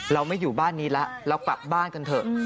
เราไม่อยู่บ้านนี้แล้วเรากลับบ้านกันเถอะ